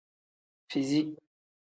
Fizi.